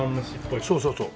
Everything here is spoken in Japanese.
そうそうそう。